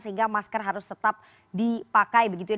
sehingga masker harus tetap dipakai begitu ya